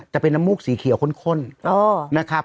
จะเป็นน้ำมูกสีเขียวข้นนะครับ